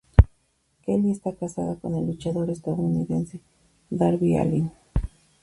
Kelly está casada con el luchador estadounidense Darby Allin.